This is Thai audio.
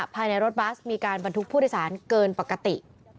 ภายในรถบัสมีการบรรทุกผู้โดยสารเกินปกติ